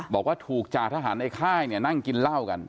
บอกว่าถูกจ่าทหารในค่ายนั่งกินเหล้ากัน